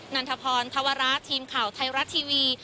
ันทพรธวระทีมข่าวไทยรัฐทีวี